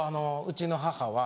うちの母は。